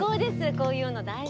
こういうの大好き。